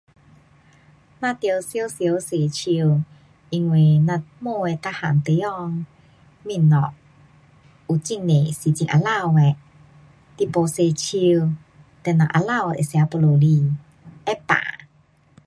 咱得常常洗手，因为摸的全部地方，东西，有很多是很肮脏的。你没洗手，等下肮脏的会吃肚子里。